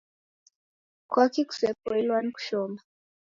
Kwaki kusepoilwa ni kushoma?